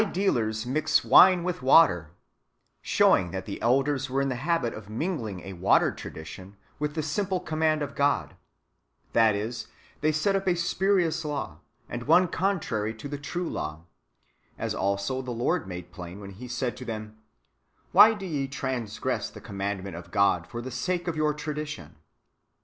409 dealers mix the wine witli water," ^ showing that the elders were in the habit of mingling a watered tradition with the simple command of God ; that is, they set np a spurious law, and one contrary to the [true] law; as also the Lord made plain, when He said to them, " Why do ye transgress the command ment of God, for the sake of your tradition?"